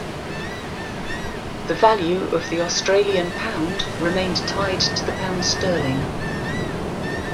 The value of the Australian pound remained tied to the pound sterling.